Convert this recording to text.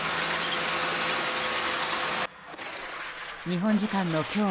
日本時間の今日